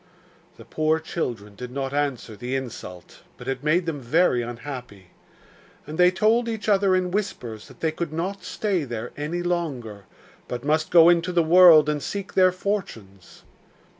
The poor children did not answer the insult; but it made them very unhappy. And they told each other in whispers that they could not stay there any longer, but must go into the world and seek their fortunes.